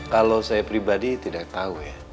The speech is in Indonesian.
kalau saya pribadi tidak tahu ya